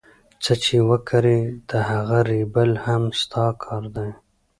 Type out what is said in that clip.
څه چي وکرې د هغه رېبل هم ستا کار دئ.